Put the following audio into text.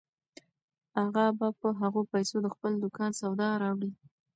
اغا به په هغو پیسو د خپل دوکان سودا راوړي.